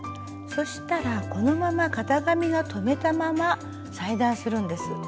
そしたらこのまま型紙を留めたまま裁断するんです。